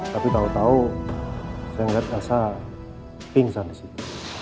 tapi tau tau saya ngeliat elsa pingsan di situ